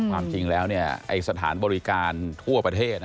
ความจริงแล้วสถานบริการทั่วประเทศ